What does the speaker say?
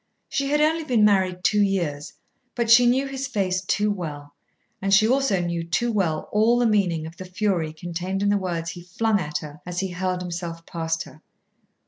She had only been married two years, but she knew his face too well; and she also knew too well all the meaning of the fury contained in the words he flung at her as he hurled himself past her.